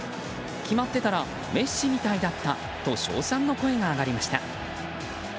決まってたらメッシみたいだったと称賛の声が上がりました。